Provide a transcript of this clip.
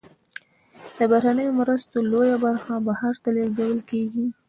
د بهرنیو مرستو لویه برخه بهر ته لیږدول کیږي.